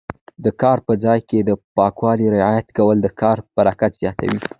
د کار په ځای کې د پاکوالي رعایت کول د کار برکت زیاتوي.